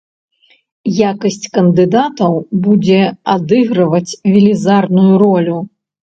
Якасць кандыдатаў будзе адыгрываць велізарную ролю.